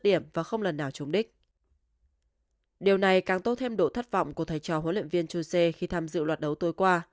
điều này càng tốt thêm độ thất vọng của thầy trò huấn luyện viên chuse khi tham dự loạt đấu tối qua